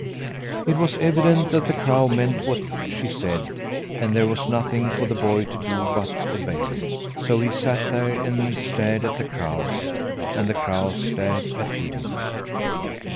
It was evident that the crow meant what she said; and there was nothing for the boy to do but obey. So he sat there and stared at the crows, and the crows stared at him.